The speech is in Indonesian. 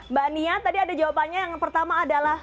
mbak nia tadi ada jawabannya yang pertama adalah